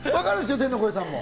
天の声さんも。